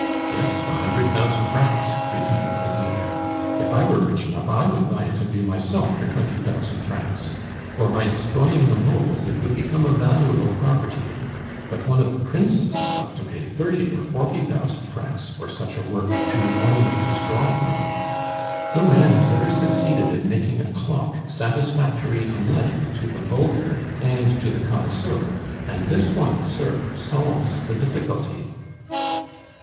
"Yes, a hundred thousand francs," repeated the dealer. "If I were rich enough, I would buy it of you myself for twenty thousand francs; for by destroying the mould it would become a valuable property. But one of the princes ought to pay thirty or forty thousand francs for such a work to ornament his drawing room. No man has ever succeeded in making a clock satisfactory alike to the vulgar and to the connoisseur, and this one, sir, solves the difficulty."